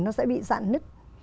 nó sẽ bị giạn nứt